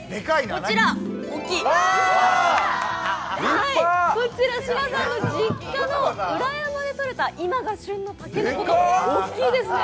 こちら、芝さんの実家の裏山でとれた今が旬のたけのこ、大きいですね！